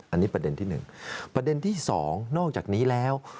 อันนี้ประเด็นที่๑ประเด็นที่๒นอกจากนี้แล้ว